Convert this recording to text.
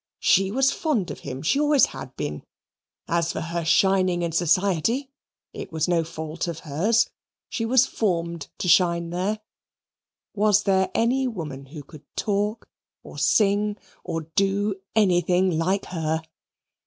She was fond of him; she always had been. As for her shining in society, it was no fault of hers; she was formed to shine there. Was there any woman who could talk, or sing, or do anything like her?